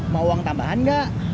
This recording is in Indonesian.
mau uang tambahan gak